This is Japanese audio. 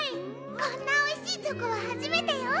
こんなおいしいチョコははじめてよ！